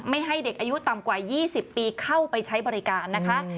ให้เด็กอายุต่ำกว่า๒๐ปีเข้าไปใช้บริการนะคะ